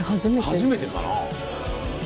初めてかな？